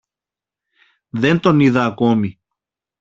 Δεν τον είδα ακόμη